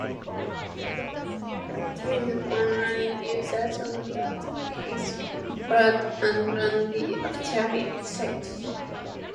At times, online users wondered if Ward and Randy actually existed.